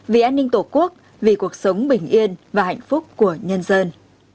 vì an ninh tổ quốc vì cuộc sống bình yên và hạnh phúc của nhân dân